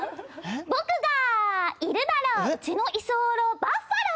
僕がいるだろううちの居候、バッファロー！